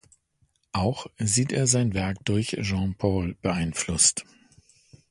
Auch sieht er sein Werk durch Jean Paul beeinflusst.